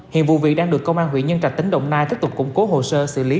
hiện vụ việc đang được công an huyện nhân trạch tỉnh đồng nai tiếp tục củng cố hồ sơ xử lý